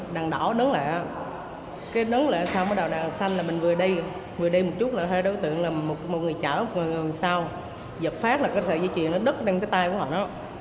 đằng đỏ nướng lại cái nướng lại sau cái đằng xanh là mình vừa đi vừa đi một chút là đối tượng là một người chở một người sau giật phát là cái dây chuyền nó đứt lên cái tay của họ đó